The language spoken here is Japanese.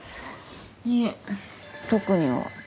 いえ特には。